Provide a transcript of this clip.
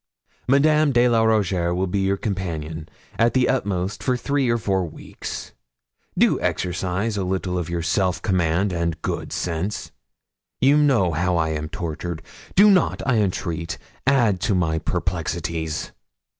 Madame de la Rougierre will be your companion, at the utmost, for three or four weeks. Do exercise a little of your self command and good sense you know how I am tortured. Do not, I entreat, add to my perplexities.